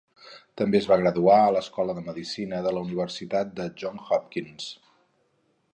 També es va graduar a l'Escola de Medicina de la Universitat de John Hopkins.